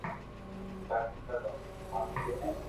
باقي سب واتو فالتو ھي